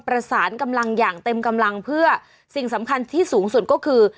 ประสานกำลังอย่างเต็มกำลังเพื่อสิ่งสำคัญที่สูงสุดก็คือ